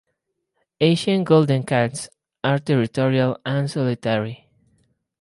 Asian golden cats are territorial and solitary.